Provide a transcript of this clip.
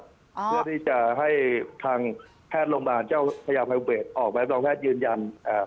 เพื่อที่จะให้ทางแพทย์โรงพยาบาลเจ้าพญาภัยเวทออกใบรับรองแพทย์ยืนยันอ่า